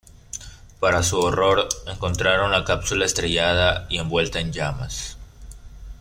Para su horror, encontraron la cápsula estrellada y envuelta en llamas.